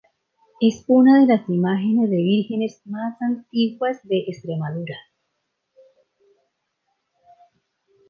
Es una de las imágenes de vírgenes más antiguas de Extremadura.